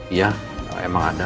iya emang ada